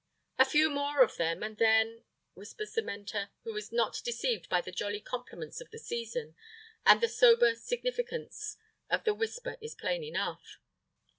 "A few more of them, and then " whispers the mentor, who is not deceived by the jolly compliments of the season, and the sober significance of the whisper is plain enough.